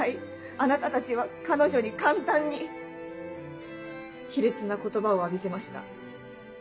あなたたちは彼女に簡単に卑劣な言葉を浴びせました。